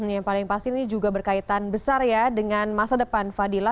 yang paling pasti ini juga berkaitan besar ya dengan masa depan fadila